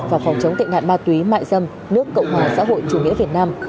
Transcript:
và phòng chống tệ nạn ma túy mại dâm nước cộng hòa xã hội chủ nghĩa việt nam